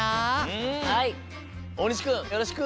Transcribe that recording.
うん大西くんよろしく！